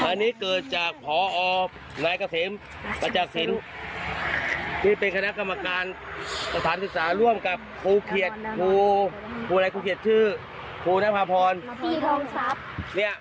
อันนี้เกิดจากหอนายเกษมประจักษ์ศิลป์ที่เป็นคณะกรรมการสถานศึกษาร่วมกับครูเขียดครูครูอะไรครูเขียดชื่อครูน้ำภาพรเนี่ย